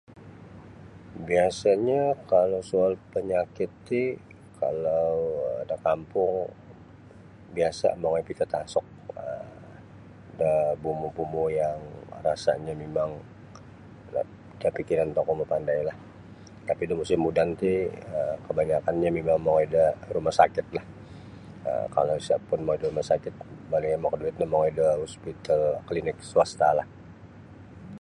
Biasa'nyo kalau soal panyakit ti kalau da kampung biasa' mongoi pitatansuk um da bomoh-bomoh yang rasanya mimang da pikiran tokou mapandailah tapi' da musim moden ti um kabanyakannyo mongoi da rumah sakitlah kalau isa pun mongoi da rumah sakit mana yang makaduit no mongoi da hospital klinik swastalah.